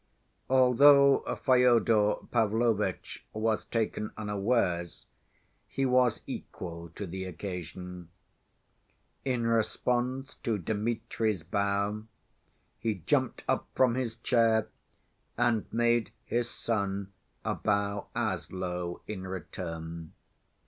Although Fyodor Pavlovitch was taken unawares, he was equal to the occasion. In response to Dmitri's bow he jumped up from his chair and made his son a bow as low in return.